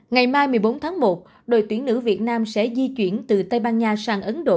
ngày mai một mươi bốn tháng một đội tuyển nữ việt nam sẽ di chuyển từ tây ban nha sang ấn độ